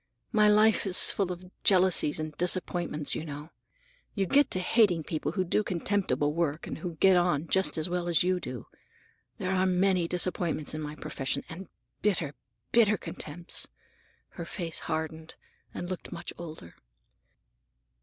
My life is full of jealousies and disappointments, you know. You get to hating people who do contemptible work and who get on just as well as you do. There are many disappointments in my profession, and bitter, bitter contempts!" Her face hardened, and looked much older.